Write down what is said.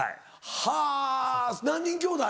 はぁ何人きょうだい？